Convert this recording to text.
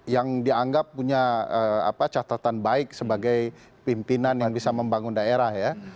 yang dianggap punya catatan baik sebagai pimpinan yang bisa membangun daerah ya